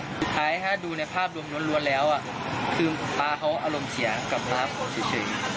สุดท้ายถ้าดูในภาพรวมล้วนแล้วคือป๊าเขาอารมณ์เสียกับพระเขาเฉย